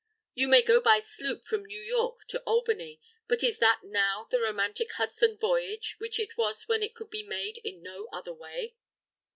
You may go by sloop from New York to Albany. But is that now the romantic Hudson voyage which it was when it could be made in no other way?